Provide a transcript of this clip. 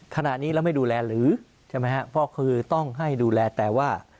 ขณะนี้เราไม่ดูแลหรือใช่ไหมฮะเพราะคือต้องให้ดูแลแต่ว่า